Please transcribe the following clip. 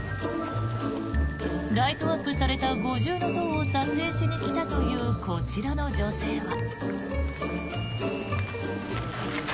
ライトアップされた五重塔を撮影しにきたというこちらの女性は。